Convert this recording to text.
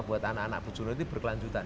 buat anak anak bujono itu berkelanjutan